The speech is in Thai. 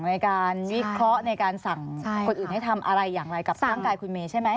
ในการวิเคราะห์ในการสั่งคนอื่นให้ทำอะไรอย่างไรกับร่างกายคุณเมย์ใช่ไหม